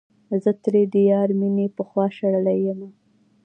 زه ترې د يار مينې پخوا شړلے يمه